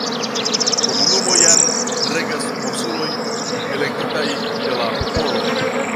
Komunumojn regas konsilioj elektitaj de la popolo.